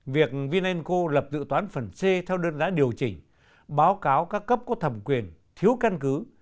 việc vinanco lập dự toán phần c theo đơn giá điều chỉnh báo cáo các cấp có thẩm quyền thiếu căn cứ